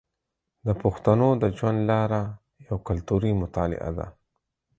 د پښتنو د ژوند لاره یوه کلتوري مطالعه ده.